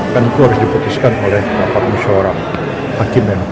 kan itu harus diputuskan oleh empat puluh seorang hakim mk